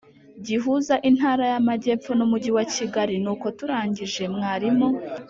gihuza Intara y’Amajyepfo n’Umujyi wa Kigali. Nuko turangije mwarimu